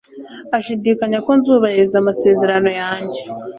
Ashidikanya ko nzubahiriza amasezerano yanjye.